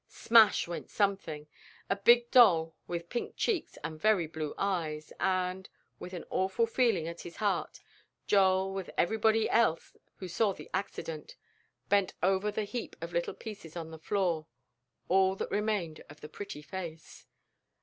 Smash went something a big doll with pink cheeks and very blue eyes; and, with an awful feeling at his heart, Joel, with everybody else who saw the accident, bent over the heap of little pieces on the floor all that remained of the pretty face.